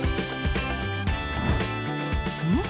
うん？